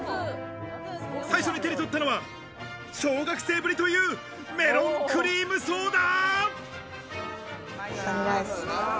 最初に手に取ったのは小学生ぶりというメロンクリームソーダ。